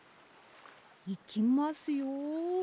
いきますよ。